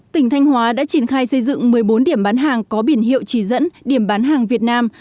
tỉnh thanh hóa đã triển khai xây dựng một mươi bốn điểm bán hàng có biển hiệu chỉ dẫn điểm bán hàng việt nam